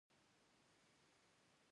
مس د افغانستان په طبیعت کې مهم رول لري.